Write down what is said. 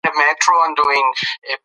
ښځه د کور د فضا د ښه والي لپاره هڅه کوي